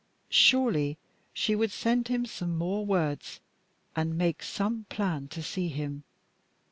Surely she would send him some more words and make some plan to see him.